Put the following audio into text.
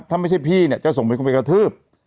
ถ้าไม่ใช่พี่เนี่ยจะส่งเป็นคนไปกระทืบ